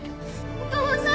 お父さん。